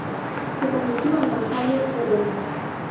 Se convirtió en vasallo de Roma.